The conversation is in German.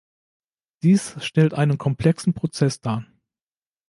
Dies stellt einen komplexen Prozess dar.